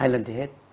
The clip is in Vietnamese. hai lần thì hết